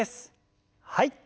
はい。